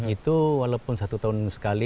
itu walaupun satu tahun sekali